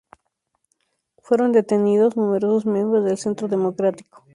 Fueron detenidos numerosos miembros del Centro Democrático.